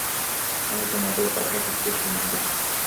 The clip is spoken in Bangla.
আমি তোমাদের কথা কিচ্ছু শুনছি না!